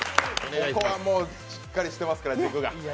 ここはもうしっかりしてますから軸が。